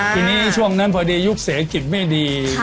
ทีนี้ช่วงนั้นพอดียุคเศรษฐกิจไม่ดี